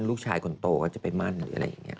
ลูกชายคนโตก็จะไปมั่นหรืออะไรอย่างนี้